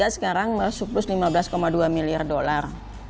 sekarang surplus lima belas dua miliar dolar